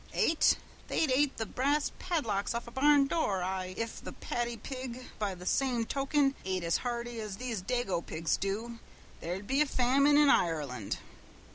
Ate? They'd ate the brass padlocks off of a barn door I If the paddy pig, by the same token, ate as hearty as these dago pigs do, there'd be a famine in Ireland."